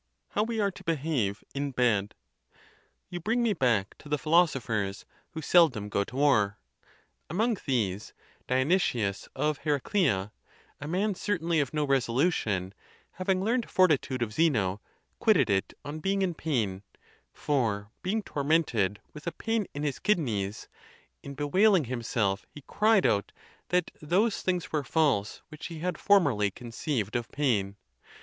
. How we are to behave in bed ? You bring me back to the philosophers, who seldom go to war. Among these, Dionysius of Heraclea, a man cer tainly of no resolution, having learned fortitude of Zeno, quitted it on being in pain; for, being tormented with a pain in his kidneys, in bewailing himself he cried out that those things were false which he had formerly conceived of pain.